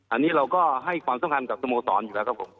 อันนี้เราก็ให้ความสำคัญกับสโมสรอยู่แล้วครับผม